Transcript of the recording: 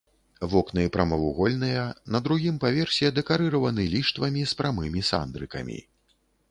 Вокны прамавугольныя, на другім паверсе дэкарыраваны ліштвамі з прамымі сандрыкамі.